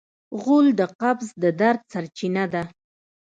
غول د قبض د درد سرچینه ده.